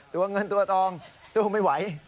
ตัวเงินตัวทองสู้ไม่ไหว